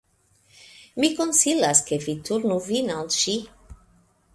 Mi konsilas ke vi turnu vin al ŝi.